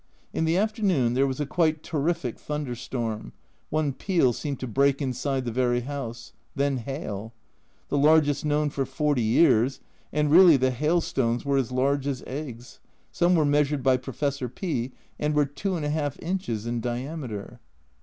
In the afternoon there was a quite terrific thunder storm, one peal seemed to break inside the very house. Then hail ! The largest known for forty years, and really the hail stones were as large as eggs, some were measured by Professor P , and were 2\ inches in diameter